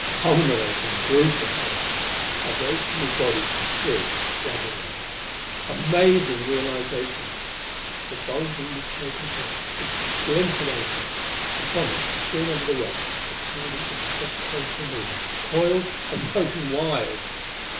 Culminating, gruesome horror! I rose from his body and stood shuddering. Amazing realization! The bulging misshapen head was splintered open. And from it, strewn over the rocks, were tiny intricate cogs and wheels, coils and broken wires!